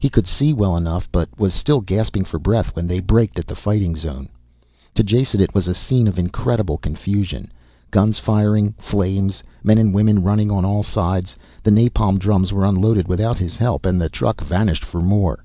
He could see well enough, but was still gasping for breath when they braked at the fighting zone. To Jason, it was a scene of incredible confusion. Guns firing, flames, men and women running on all sides. The napalm drums were unloaded without his help and the truck vanished for more.